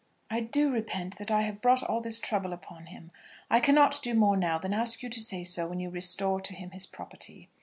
I do repent that I have brought all this trouble upon him. I cannot do more now than ask you to say so when you restore to him his property."